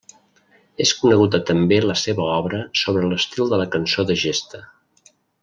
És coneguda també la seva obra sobre l'estil de la cançó de gesta.